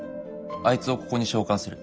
あいつをここに召喚する。